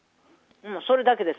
それだけです。